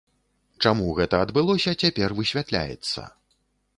Чаму гэта адбылося, цяпер высвятляецца.